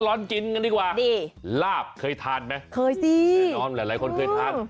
ร้อนกินกันดีกว่าลาบเคยทานไหมมีหลายคนเคยทาน